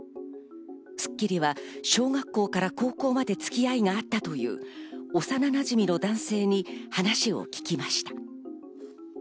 『スッキリ』は小学校から高校までつき合いがあったという幼なじみの男性に話を聞きました。